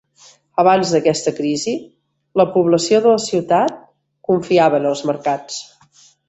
Abans d'aquesta crisi, la població de la ciutat confiava en els mercats.